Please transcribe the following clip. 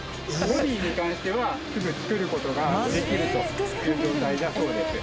ボディーに関してはすぐ作る事ができるという状態だそうです。